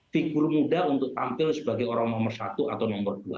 figur muda untuk tampil sebagai orang nomor satu atau nomor dua